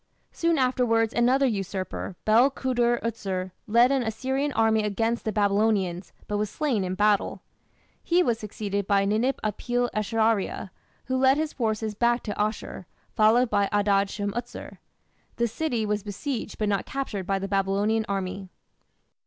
Soon afterwards another usurper, Bel kudur utsur, led an Assyrian army against the Babylonians, but was slain in battle. He was succeeded by Ninip apil esharia, who led his forces back to Asshur, followed by Adad shum utsur. The city was besieged but not captured by the Babylonian army.